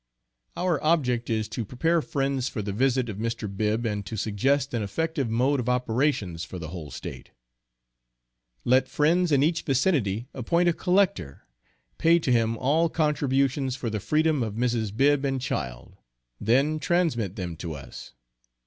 Our object is to prepare friends for the visit of Mr. Bibb, and to suggest an effective mode of operations for the whole State. Let friends in each vicinity appoint a collector pay to him all contributions for the freedom of Mrs. Bibb and child: then transmit them to us.